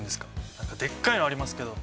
何かでっかいのありますけど。